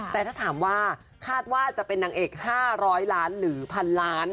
แต่ถ้าถามว่าคาดว่าจะเป็นนางเอก๕๐๐ล้านหรือพันล้าน